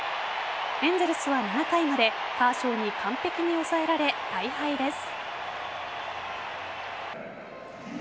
エンゼルスは７回までカーショーに完璧に抑えられ大敗です。